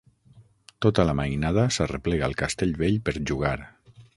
Tota la mainada s'arreplega al castell vell per jugar.